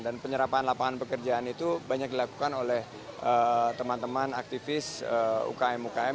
dan penyerapan lapangan pekerjaan itu banyak dilakukan oleh teman teman aktivis ukm ukm